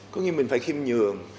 có nghĩa mình phải khiêm nhường